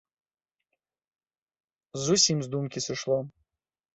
Зусім з думкі сышло.